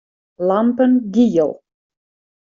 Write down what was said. Lampen giel.